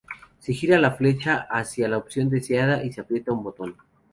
Se gira la flecha hacia la opción deseada y se aprieta un botón.